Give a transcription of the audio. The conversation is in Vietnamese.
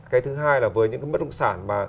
cái thứ hai là với những bất động sản